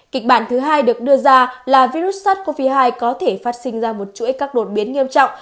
kịch bản thứ hai được đưa ra là virus sars cov hai có thể phát sinh ra một chuỗi các đột biến nghiêm trọng